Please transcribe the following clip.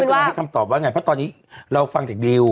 เพราะตอนนี้เราฟังจากดิว